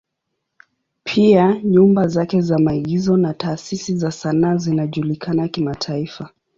Pia nyumba zake za maigizo na taasisi za sanaa zinajulikana kimataifa.